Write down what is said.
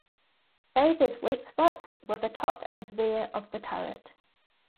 Favored weak spots were the top and rear of the turret.